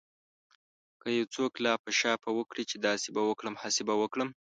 که يو څوک لاپه شاپه وکړي چې داسې به وکړم هسې به وکړم.